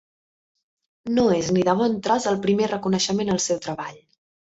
No és, ni de bon tros, el primer reconeixement al seu treball.